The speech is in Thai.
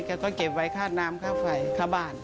เขาก็เก็บไว้คาดน้ำคาดไฟคาบาล